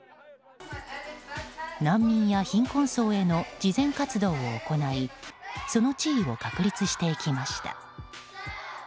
難民や貧困層への慈善活動を行いその地位を確立していきました。